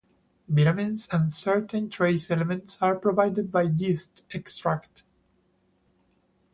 Vitamins and certain trace elements are provided by yeast extract.